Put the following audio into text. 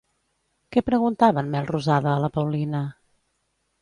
Què preguntava en Melrosada a la Paulina?